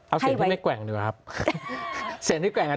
เอาเสียงที่ไม่แกว่งดีกว่าครับ